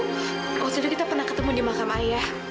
waktu itu kita pernah ketemu di makam ayah